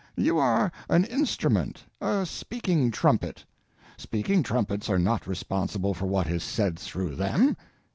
You are an instrument—a speaking trumpet. Speaking trumpets are not responsible for what is said through them.